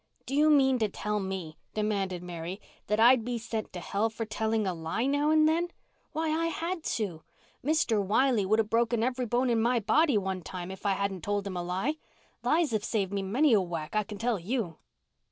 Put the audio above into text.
"Do you mean to tell me," demanded Mary, "that I'd be sent to hell for telling a lie now and then? Why, I had to. Mr. Wiley would have broken every bone in my body one time if I hadn't told him a lie. Lies have saved me many a whack, I can tell you."